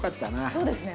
そうですね。